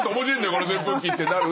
この扇風機ってなる。